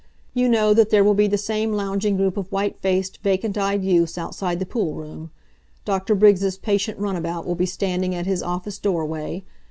You know that there will be the same lounging group of white faced, vacant eyed youths outside the pool room. Dr. Briggs's patient runabout will be standing at his office doorway.